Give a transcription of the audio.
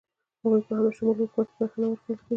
هغوی په همه شموله حکومت کې برخه نه ورکول کیږي.